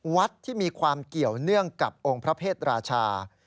วัดที่มีความเกี่ยวเนื่องกับองค์พระเพศราชา